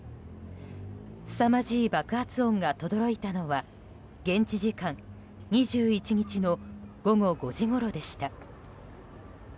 すさまじい爆発音がとどろいたのは現地時間２１日の午後５時ごろでした。